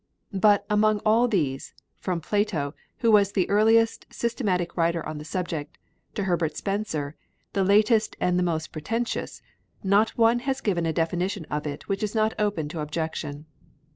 But among all these, from Plato, who was the earliest systematic writer on the subject, to Herbert Spencer, the latest and the most pretentious, not one has given a definition of it which is not open to objection.